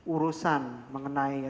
urusan mengenai rapat